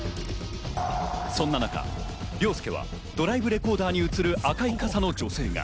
そんな中、凌介はドライブレコーダーに映る赤い傘の女性が。